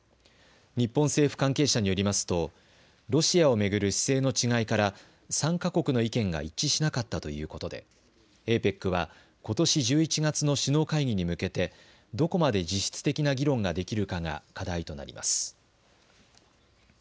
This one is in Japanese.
日本政府関係者によりますとロシアを巡る姿勢の違いから参加国の意見が一致しなかったということでＡＰＥＣはことし１１月の首脳会議に向けてどこまで実質的な議論ができるかが課題となります。